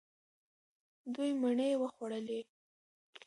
دوی مڼې وخوړلې.